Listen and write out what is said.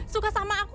suka sama aku